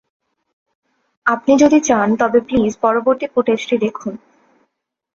আপনি যদি চান তবে প্লিজ পরবর্তী ফুটেজটি দেখুন।